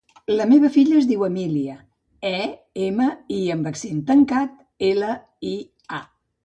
La meva filla es diu Emília: e, ema, i amb accent tancat, ela, i, a.